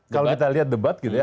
kalau kita lihat debat gitu ya